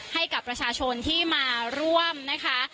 ให้กับประชาชนที่มาร่วมนะคะ